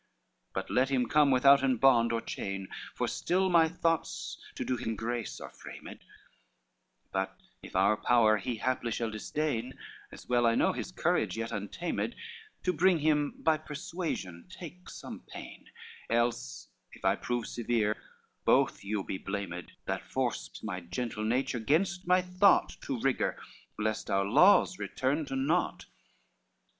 LVI "But let him come withouten bond or chain, For still my thoughts to do him grace are framed; But if our power he haply shall disdain, As well I know his courage yet untamed, To bring him by persuasion take some pain: Else, if I prove severe, both you be blamed, That forced my gentle nature gainst my thought To rigor, lest our laws return to naught."